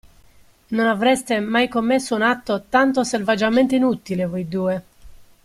Non avreste mai commesso un atto tanto selvaggiamente inutile, voi due.